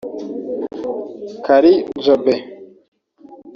Kari Jobe